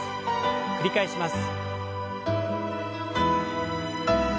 繰り返します。